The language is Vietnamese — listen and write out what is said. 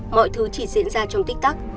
mọi thứ chỉ diễn ra trong tích tắc